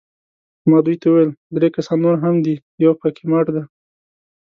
ما دوی ته وویل: درې کسان نور هم دي، یو پکښې مړ دی.